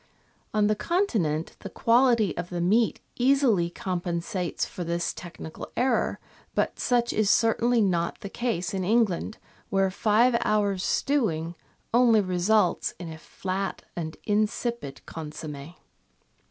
On the Continent the quality of the meat easily compensates for this technical error, but such is certainly not the case in England, where five hours' stewing only results in a flat and insipid consomm^.